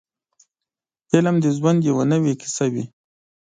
فلم د ژوند یوه نوې کیسه وي.